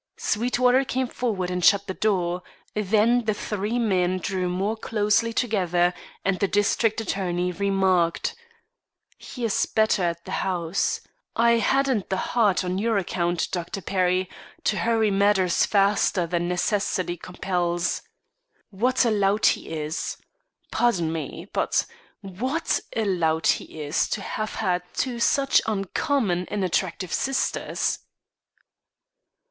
Sweetwater came forward and shut the door; then the three men drew more closely together, and the district attorney remarked: "He is better at the house. I hadn't the heart on your account, Dr. Perry, to hurry matters faster than necessity compels. What a lout he is! Pardon me, but what a lout he is to have had two such uncommon and attractive sisters."